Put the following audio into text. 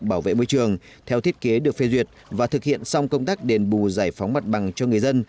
bảo vệ môi trường theo thiết kế được phê duyệt và thực hiện xong công tác đền bù giải phóng mặt bằng cho người dân